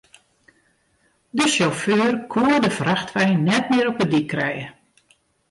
De sjauffeur koe de frachtwein net mear op de dyk krije.